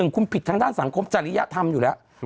คุณผิดทางด้านสังคมจริยธรรมอยู่แล้ว